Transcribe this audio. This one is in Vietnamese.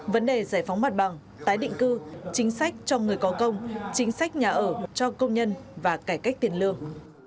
vấn đề giải phóng mặt bằng tái định cư chính sách cho người có công chính sách nhà ở cho công nhân và cải cách tiền lương